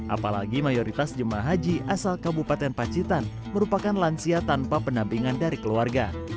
apalagi mayoritas jemaah haji asal kabupaten pacitan merupakan lansia tanpa pendampingan dari keluarga